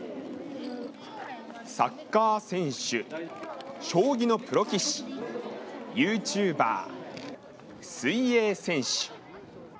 サッカー選手、将棋のプロ棋士ユーチューバー、水泳選手。